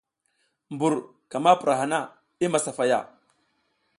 Mbur ka ma pura hana, i masafaya.